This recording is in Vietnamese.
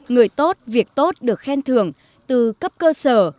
người tốt việc tốt được khen thưởng từ cấp cơ sở